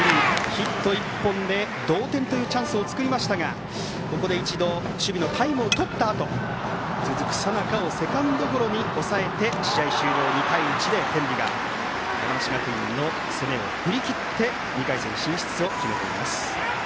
ヒット１本で同点というチャンスを作りましたが守備のタイムを一度とったあと続く佐仲をセカンドゴロに抑えて２対１、天理が山梨学院の攻めを振り切って２回戦進出を決めています。